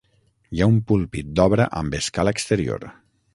Hi ha un púlpit d'obra amb escala exterior.